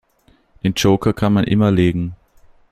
Den Joker kann man immer legen.